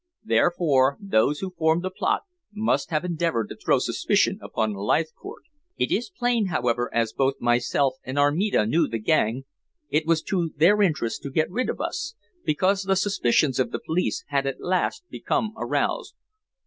Therefore those who formed the plot must have endeavored to throw suspicion upon Leithcourt. It is plain, however, as both myself and Armida knew the gang, it was to their interest to get rid of us, because the suspicions of the police had at last become aroused.